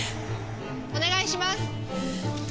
お願いします！